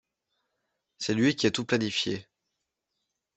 C’est lui qui a tout planifié.